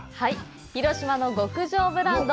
広島の極上ブランド